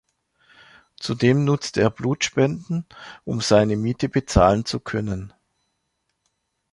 Zudem nutzte er Blutspenden, um seine Miete bezahlen zu können.